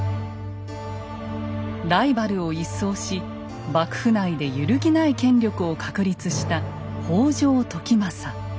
ライバルを一掃し幕府内で揺るぎない権力を確立した北条時政。